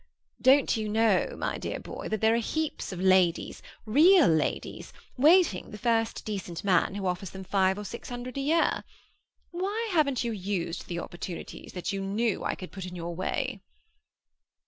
Don't you know, my dear boy, that there are heaps of ladies, real ladies, waiting the first decent man who offers them five or six hundred a year? Why haven't you used the opportunities that you knew I could put in your way?"